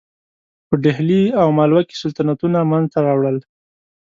په ډهلي او مالوه کې سلطنتونه منځته راوړل.